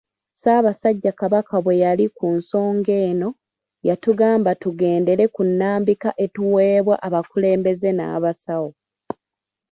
Ssaasabasajja Kabaka bwe yali ku nsonga eno, yatugamba tugendere ku nnambika etuweebwa abakulembeze n'abasawo.